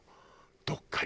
どっかに。